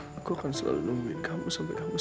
aku akan selalu nungguin kamu sampai kamu